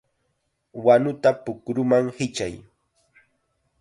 ¡Wanuta pukruman hichay!